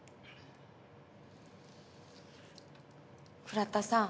倉田さん。